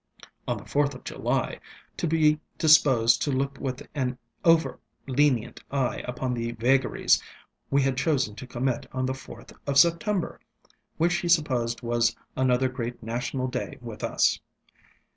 on the 4th of July, to be disposed to look with an over lenient eye upon the vagaries we had chosen to commit on the 4th of September, which he supposed was another great national day with us.